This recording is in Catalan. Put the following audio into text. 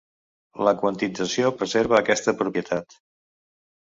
La quantització preserva aquesta propietat.